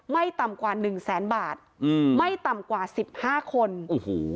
ไม่ต่ำกว่าหนึ่งแสนบาทอืมไม่ต่ำกว่าสิบห้าคนโอ้โห